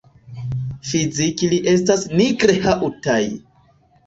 Fizike ili estas nigr-haŭtaj.